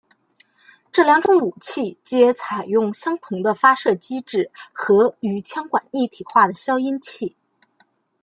这两种武器皆采用相同的发射机制和与枪管一体化的消音器。